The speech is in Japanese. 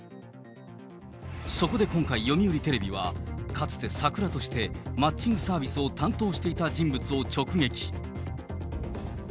そこで今回、読売テレビはかつてサクラとしてマッチングサービスを担当していた人物を直撃。